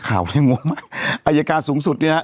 อายการสูงสุดเนี่ยนะฮะ